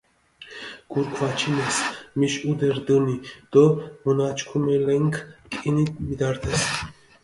გურქ ვაჩინეს მიში ჸუდე რდჷნი, დო მჷნაჩქუმელენქ კჷნი მიდართეს.